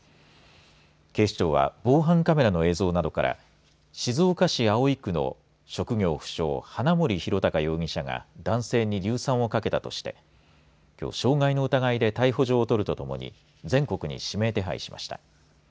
警視庁は防犯カメラの映像などから静岡市葵区の職業不詳、花森弘卓容疑者が男性に硫酸をかけたとしてきょう傷害の疑いで逮捕状を取るとともに全国に指名手配しました。